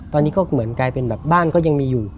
ตอนนี้ก็เหมือนกลายเป็นแบบบ้านก็ยังมีอยู่